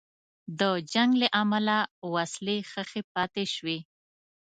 د جنګ له امله وسلې ښخي پاتې شوې.